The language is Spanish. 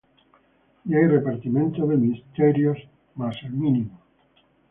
Y hay repartimiento de ministerios; mas el mismo Señor es.